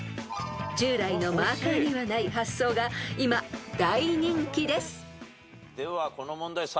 ［従来のマーカーにはない発想が今大人気です］ではこの問題